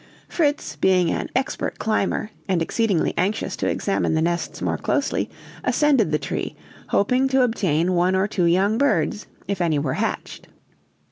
Fritz, being an expert climber and exceedingly anxious to examine the nests more closely, ascended the tree, hoping to obtain one or two young birds, if any were hatched.